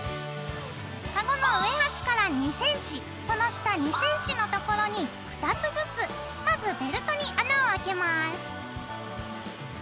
カゴの上端から２センチその下２センチのところに２つずつまずベルトに穴をあけます。